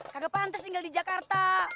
kagak pantas tinggal di jakarta